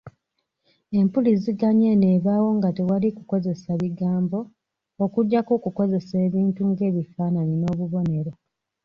Empuliziganya eno ebaawo nga tewali kukozesa bigambo okuggyako okukozesa ebintu nga ebifaananyi n'obubonero.